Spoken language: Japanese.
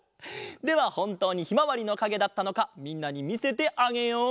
ではほんとうにひまわりのかげだったのかみんなにみせてあげよう！